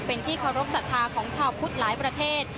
เป็นที่เคารพสัทธาของชาวพุทธหลายประเทศ